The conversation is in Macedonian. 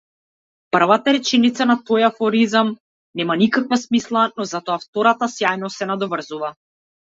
Првата реченица на тој афоризам нема никаква смисла, но затоа втората сјајно се надоврзува.